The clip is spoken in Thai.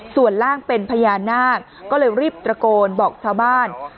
ส่วนล่างเป็นพญานาคก็เลยรีบตระโกนบอกชาวบ้าน